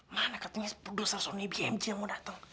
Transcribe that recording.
mana katanya dua dua sony bmg yang mau dateng